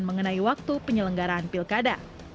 mengenai waktu penyelenggaraan pilkada